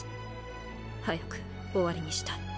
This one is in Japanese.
早く終わりにしたい。